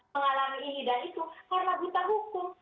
mengalami ini dan itu karena buta hukum